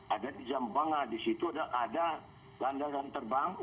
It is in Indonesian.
ada di jambanga di situ ada landasan terbang